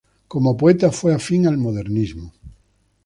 Como poeta fue afín al Modernismo.